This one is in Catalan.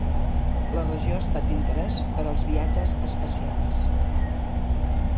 La regió ha estat d'interès per als viatges espacials.